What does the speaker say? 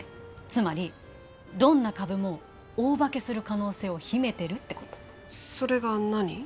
つまりどんな株も大化けする可能性を秘めてるってことそれが何？